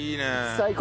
最高！